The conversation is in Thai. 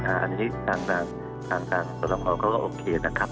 อันนี้ทางตัวหมอก็โอเคนะครับ